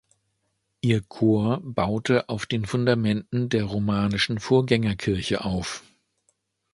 Ihr Chor baute auf den Fundamenten der romanischen Vorgängerkirche auf.